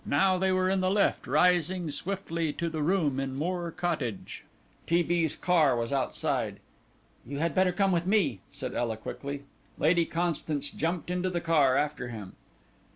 now they were in the lift rising swiftly to the room in Moor Cottage. T. B.'s car was outside. "You had better come with me," said Ela quickly. Lady Constance jumped into the car after him.